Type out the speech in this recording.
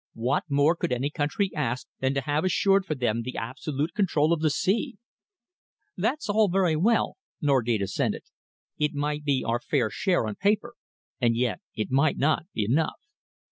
What more could any country ask than to have assured for them the absolute control of the sea?" "That's all very well," Norgate assented. "It might be our fair share on paper, and yet it might not be enough.